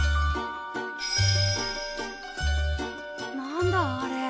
何だあれ？